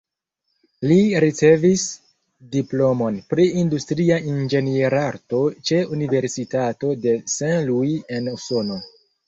Li ricevis diplomon pri industria inĝenierarto ĉe Universitato de Saint Louis en Usono.